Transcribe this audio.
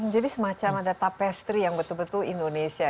jadi semacam ada tapestry yang betul betul indonesia